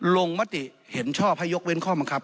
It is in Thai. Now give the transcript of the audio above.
มติเห็นชอบให้ยกเว้นข้อบังคับ